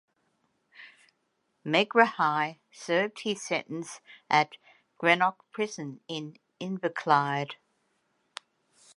Megrahi served his sentence at Greenock prison in Inverclyde.